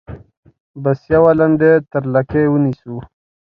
بس یوه لنډۍ تر لکۍ ونیسو.